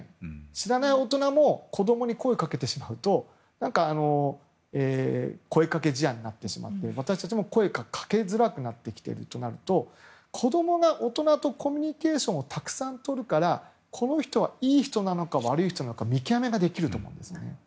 知らない大人も子供に声をかけると声掛け事案になってしまって私たちも声をかけづらくなってきているというのもあると子供が大人とコミュニケーションをたくさんとるからこの人はいい人か悪い人か見極めができると思います。